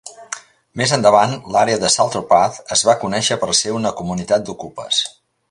Més endavant, l'àrea de Salter Path es va conèixer per ser una comunitat d'ocupes.